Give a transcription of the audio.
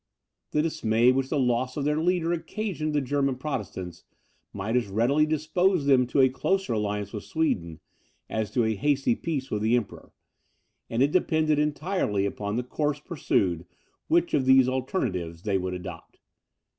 The dismay which the loss of their leader occasioned the German Protestants, might as readily dispose them to a closer alliance with Sweden, as to a hasty peace with the Emperor; and it depended entirely upon the course pursued, which of these alternatives they would adopt.